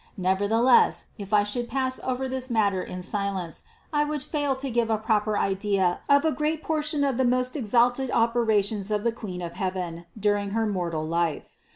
Nevertheless if I should pass over this matter in silence, I would fail to give a proper idea of a great portion of the most exalted operations of the Queen of heaven during her mortal life.